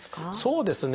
そうですね